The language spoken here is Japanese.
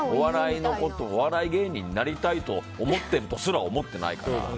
お笑い芸人になりたいと思っているとすら思ってないから。